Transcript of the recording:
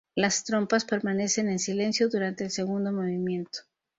Las trompas permanecen en silencio durante el segundo movimiento.